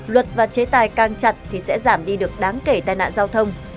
luật và chế tài càng chặt thì sẽ giảm đi được đáng kể tai nạn giao thông